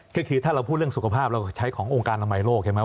คือถ้าเราพูดเรื่องสุขภาพเราใช้ขององค์การอนามัยโลกใช่ไหม